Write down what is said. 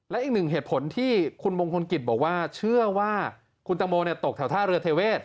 และอีกหนึ่งเหตุผลที่คุณมงคลกิจบอกว่าเชื่อว่าคุณตังโมตกแถวท่าเรือเทเวศ